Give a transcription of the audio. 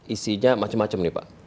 isinya macam macam nih pak